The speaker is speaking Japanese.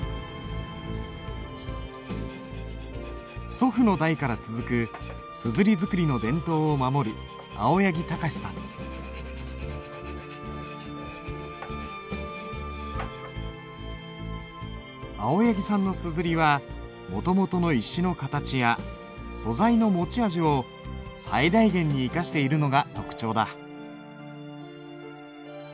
祖父の代から続く硯作りの伝統を守る青柳さんの硯はもともとの石の形や素材の持ち味を最大限に生かしているのが特徴だ。